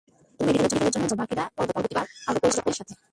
তুমি মেডিকেল এর জন্য যেতে পারো বাকিরা পরবর্তীবার, আরও পরিশ্রমের সাথে।